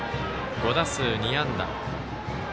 ５打数２安打。